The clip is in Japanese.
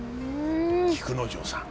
菊之丞さん。